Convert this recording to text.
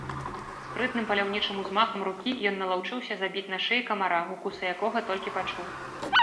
Спрытным паляўнічым узмахам рукі ён налаўчыўся забіць на шыі камара, укусы якога толькі пачуў.